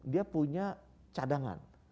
dia punya cadangan